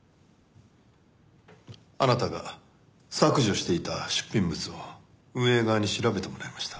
あなたが削除していた出品物を運営側に調べてもらいました。